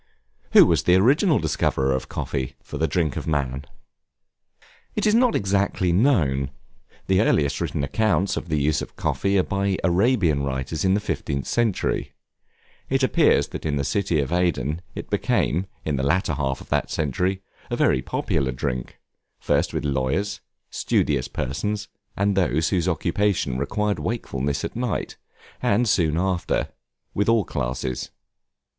Who was the original discoverer of Coffee, for the drink of man? It is not exactly known: the earliest written accounts of the use of Coffee are by Arabian writers in the 15th century; it appears that in the city of Aden it became, in the latter half of that century, a very popular drink, first with lawyers, studious persons, and those whose occupation required wakefulness at night, and soon after, with all classes.